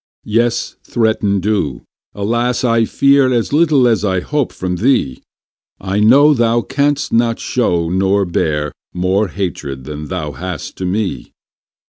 Yes, threaten, do. Alas! I fear As little as I hope from thee: I know thou canst not show nor bear More hatred than thou hast to me.